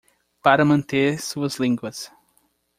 para manter suas línguas